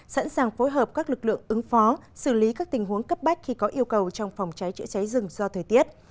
sẵn sàng phối hợp các lực lượng ứng phó xử lý các tình huống cấp bách khi có yêu cầu trong phòng cháy chữa cháy rừng do thời tiết